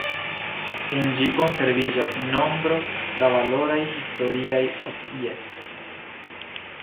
En ĝi konserviĝas nombro da valoraj historiaj objektoj.